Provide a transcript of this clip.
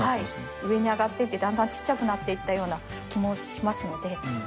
上に上がっていって、だんだん小さくなっていったような気もしますので。